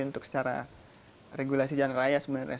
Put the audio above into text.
untuk secara regulasi jalan raya sebenarnya